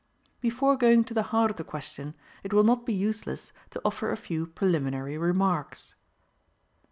Before going to the heart of the question, it will not be useless to offer a few preliminary remarks.